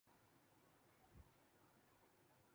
آپ حکم دیں اور پھر دیکھیں کہ کس طرح فاتح کشمیر کا